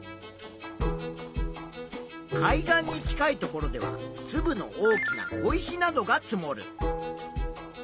海岸に近いところではつぶの大きな小石などが積もる。